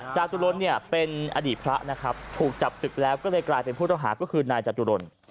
จาตุรนเนี่ยเป็นอดีตพระนะครับถูกจับศึกแล้วก็เลยกลายเป็นผู้ต้องหาก็คือนายจตุรน